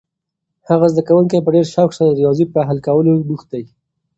هغه زده کوونکی په ډېر شوق سره د ریاضي په حل کولو بوخت دی.